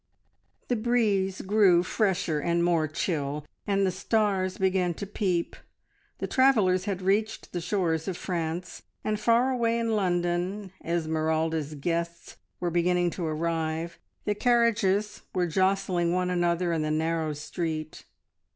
The breeze grew fresher and more chill, and the stars began to peep; the travellers had reached the shores of France; and far away in London Esmeralda's guests were beginning to arrive, the carriages were jostling one another in the narrow street.